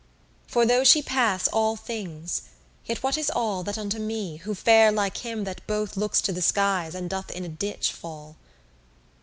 For though she pass all things, yet what is all That unto me, who fare like him that both Looks to the skies and in a ditch doth fall?